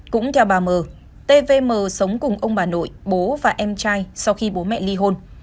cũng theo bà m tvm sống cùng ông bà nội bố và em trai sau khi bố mẹ ly hôn